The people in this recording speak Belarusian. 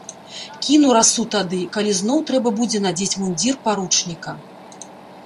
Кіну расу тады, калі зноў трэба будзе надзець мундзір паручніка.